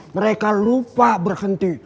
mereka lupa berhenti